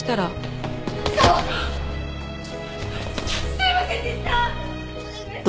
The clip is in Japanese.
すいませんでした！